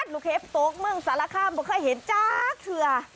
ลูกเห็บตกเมืองสารคามบอกเคยเห็นจากเชือ